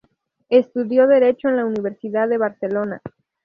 Estudió Derecho en la Universidad de Barcelona.